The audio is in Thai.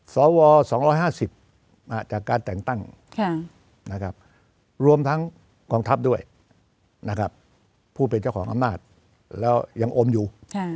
สว๒๕๐มาจากการแต่งตั้งรวมทั้งกองทัพด้วยนะครับผู้เป็นเจ้าของอำนาจแล้วยังโอมอยู่